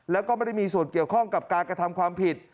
แล้วก็ไม่ได้มีส่วนเกี่ยวข้องกับการกระทำความผิด